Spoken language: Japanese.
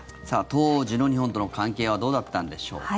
当時の日本との関係はどうだったんでしょうか。